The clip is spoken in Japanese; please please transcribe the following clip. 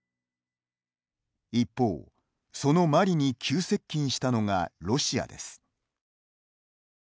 一方、そのマリに急接近したのがロシアです。